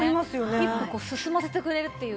一歩進ませてくれるっていう。